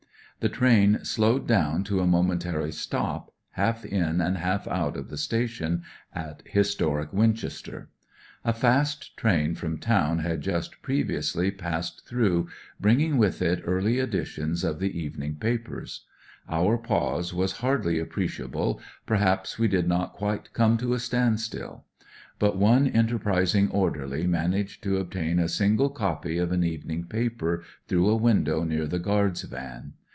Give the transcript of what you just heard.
The train slowed down to a momentary stop, half in and half out of the station, at historic Winchester. A fast train from town had just previously passed g2 282 ON THE WAY TO LONDON through, bringmg with it early editions of the evening papers. Our pause was hardly appreciable; perhaps we did not quite come to a standstill. But one enter prising orderly managed to obtain a single copy of an evening paper through a wmdow near the guard's van.